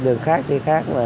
đường khác thế khác